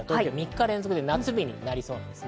３日連続夏日になりそうです。